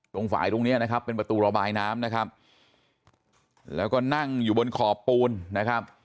ตรงฝ่ายตรงเนี้ยนะครับเป็นประตูระบายน้ำนะครับแล้วก็นั่งอยู่บนขอบปูนนะครับ